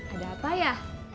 ada apa ya